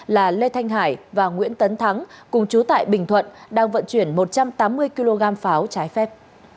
là lê thanh hải và nguyễn tấn thắng cùng chú tại bình thuận đang vận chuyển một trăm tám mươi kg pháo trái phép